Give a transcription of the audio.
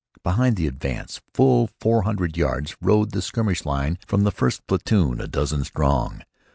Behind the advance, full four hundred yards, rode the skirmish line from the first platoon, a dozen strong.